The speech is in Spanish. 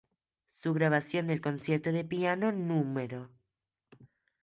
Su grabación del Concierto de Piano núm.